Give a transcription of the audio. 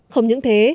không những thế